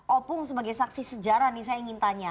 opung sebagai saksi sejarah nih saya ingin tanya